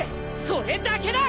それだけだ！！